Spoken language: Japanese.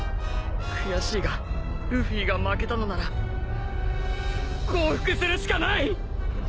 悔しいがルフィが負けたのなら降伏するしかない！